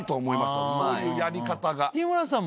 そういうやり方が。